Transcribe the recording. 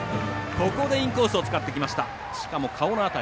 ここでインコースを使ってきました。